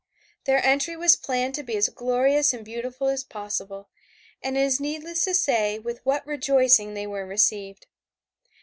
Their entry was planned to be as glorious and beautiful as possible and it is needless to say with what rejoicing they were received.